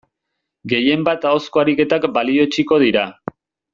Gehien bat ahozko ariketak balioetsiko dira.